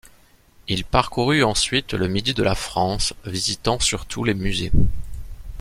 Il parcourut ensuite le midi de la France, visitant surtout les musées.